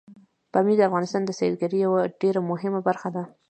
پامیر د افغانستان د سیلګرۍ یوه ډېره مهمه برخه ده.